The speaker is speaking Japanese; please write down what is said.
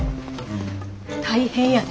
大変やで！